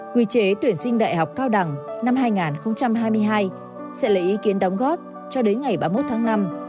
quy chế tuyển sinh đại học cao đẳng năm hai nghìn hai mươi hai sẽ lấy ý kiến đóng góp cho đến ngày ba mươi một tháng năm